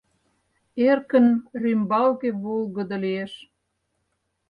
Эркын рӱмбалге волгыдо лиеш.